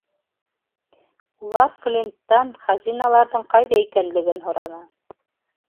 Улар Флинттан хазиналарҙың ҡайҙа икәнлеген һораны.